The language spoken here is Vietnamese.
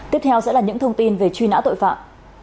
tiếp theo sẽ là những thông tin về truy nã tội phạm